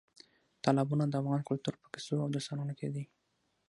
تالابونه د افغان کلتور په کیسو او داستانونو کې دي.